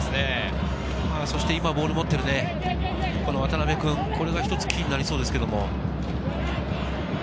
そして今ボールを持っているは渡辺君、ひとつキーになりそうですけれども。